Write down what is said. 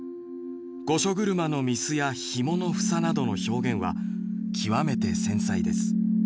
御所車の御簾やひもの房などの表現は極めて繊細です。